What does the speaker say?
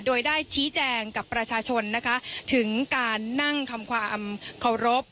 โดยได้ชี้แจงกับประชาชนนะคะถึงการนั่งทำความเคารพ